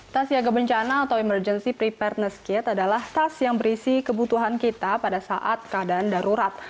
tas siaga bencana atau emergency preparetness kit adalah tas yang berisi kebutuhan kita pada saat keadaan darurat